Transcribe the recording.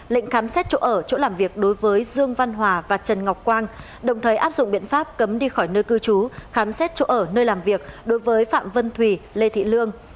lệnh khám xét chỗ ở chỗ làm việc đối với dương văn hòa và trần ngọc quang đồng thời áp dụng biện pháp cấm đi khỏi nơi cư trú khám xét chỗ ở nơi làm việc đối với phạm vân thùy lê thị lương